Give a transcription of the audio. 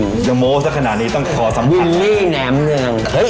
เดี๋ยวโม้ถ้าขนาดนี้ต้องขอสัมผัสวิลลี่แหนมเนืองเฮ้ย